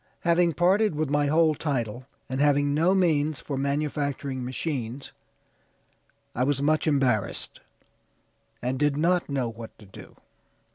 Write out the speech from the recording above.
Having parted with my whole title, and having no means for manufacturing machines, I was much embarrassed, and did not know what to do."